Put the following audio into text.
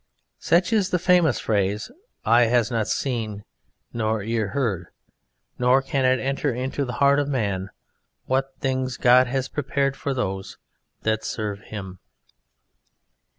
Such is the famous phrase: "Eye has not seen nor ear heard, nor can it enter into the heart of man what things God has prepared for those that serve Him."